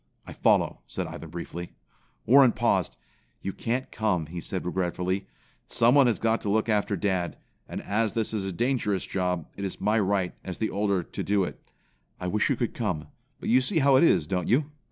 "I follow," said Ivan briefly. Warren paused. "You can't come," he said regretfully. "Someone has got to look after dad, and as this is a dangerous job, it is my right, as the older, to do it. I wish you could come, but you see how it is, don't you?"